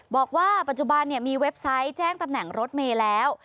บอกว่าปัจจุบันมีเว็บไซต์แจ้งตำแหน่งรถเมย์แล้ว